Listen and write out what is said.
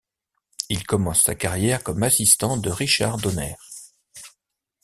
Il commence sa carrière comme assistant de Richard Donner.